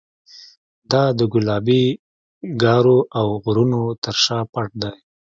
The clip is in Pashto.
دا د ګلابي ګارو او غرونو تر شا پټ دی.